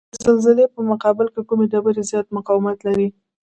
د زلزلې په مقابل کې کومې ډبرې زیات مقاومت لري؟